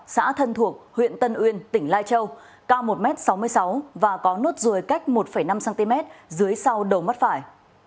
xã thân thuộc huyện tân uyên tỉnh lai châu cao một m sáu mươi sáu và có nốt ruồi cách một năm cm dưới sau đầu mắt phải